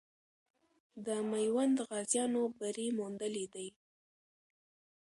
د میوند غازیانو بری موندلی دی.